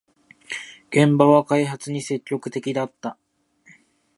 現場は開発に積極的だった